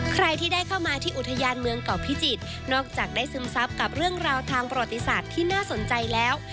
ใครที่ได้เข้ามาที่อุทยานเมืองเกาะพิจิตรนอกจากได้ซึมซับกับเรื่องราวทางประวัติศาสตร์ที่น่าสนใจแล้ว